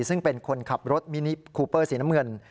ซึ่งเป็นคนขับรถนิคูเปอร์สน